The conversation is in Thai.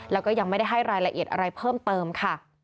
แล้วก็ยังไม่ได้ให้รายละเอียดอะไรเพิ่มเติมค่ะ